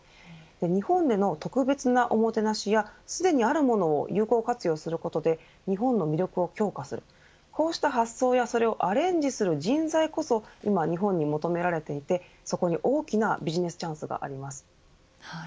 日本での特別なおもてなしやすでにあるものを有効活用することで日本の魅力を強化するこうした発想やそれをアレンジする人材こそ今、日本に求められていてそこに大きなビジネスチャンスがあります。